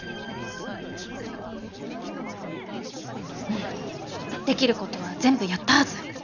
うんできることは全部やったはず。